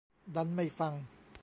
ดันไม่ฟัง